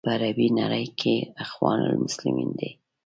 په عربي نړۍ کې اخوان المسلمین دي.